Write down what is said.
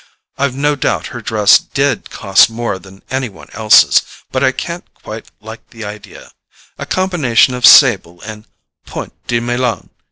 I've no doubt her dress DID cost more than any one else's, but I can't quite like the idea—a combination of sable and POINT DE MILAN.